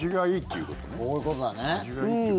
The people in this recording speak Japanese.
こういうことだね。